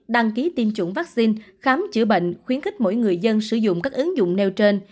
đăng ký tiêm chủng vaccine khám chữa bệnh khuyến khích mỗi người dân sử dụng các ứng dụng nêu trên